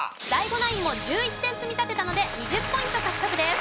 ＤＡＩＧＯナインも１１点積み立てたので２０ポイント獲得です！